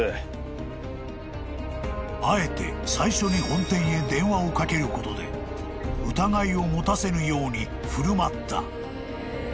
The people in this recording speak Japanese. ［あえて最初に本店へ電話をかけることで疑いを持たせぬように振る舞った］